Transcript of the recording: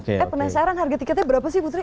saya penasaran harga tiketnya berapa sih putri